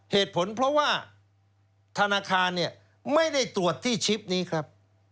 เหตุผลเพราะว่าธนาคารเนี่ยไม่ได้ตรวจที่ชิปนี้ครับ